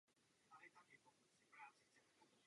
Odešel do Písku a začal pracovat jako úředník.